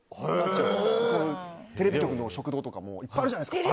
テレビ局の食堂とかもいっぱいあるじゃないですか。